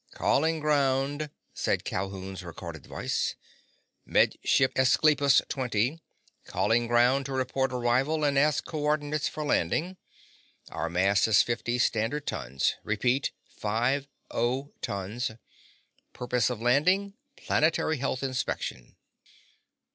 "Calling ground," said Calhoun's recorded voice. "Med Ship Esclipus Twenty calling ground to report arrival and ask coordinates for landing. Our mass is fifty standard tons. Repeat, five oh tons. Purpose of landing, planetary health inspection."